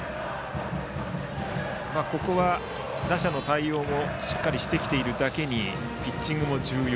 ここは打者の対応をしっかりしてきているだけにピッチングも重要。